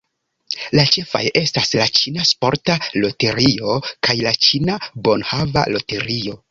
La ĉefaj estas la Ĉina Sporta Loterio kaj la Ĉina Bonhava Loterio.